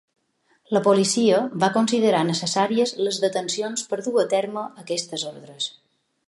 La policia va considerar necessàries les detencions per dur a terme aquestes ordres.